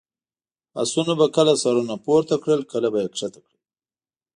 اسونو به کله سرونه پورته کړل، کله به یې کښته کړل.